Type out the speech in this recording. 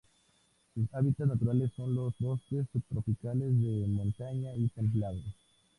Su hábitats naturales son los bosques subtropicales de montaña y templados.